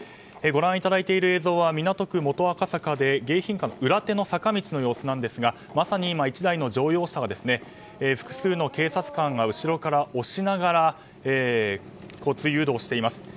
ご覧いただいている映像は港区元赤坂で迎賓館の裏手の坂道の様子ですが今まさに１台の乗用車を複数の警察官が後ろから押しながら交通誘導をしています。